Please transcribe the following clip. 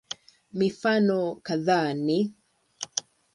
Mifano kadhaa ni